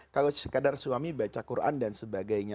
kalau sekadar suami baca quran dan sebagainya